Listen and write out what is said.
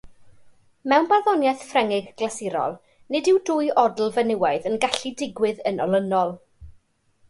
Mewn barddoniaeth Ffrengig glasurol, nid yw dwy odl fenywaidd yn gallu digwydd yn olynol.